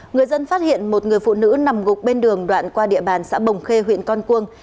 người dân phát hiện một người phụ nữ nằm gục bên đường đoạn qua địa bàn xã bồng khê huyện con cuông